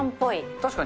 確かに。